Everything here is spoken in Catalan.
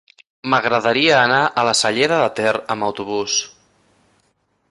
M'agradaria anar a la Cellera de Ter amb autobús.